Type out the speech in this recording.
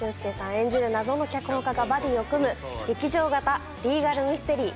演じる謎の脚本家がバディを組む劇場型リーガルミステリー。